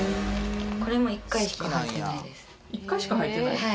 これも１回しか履いてないです。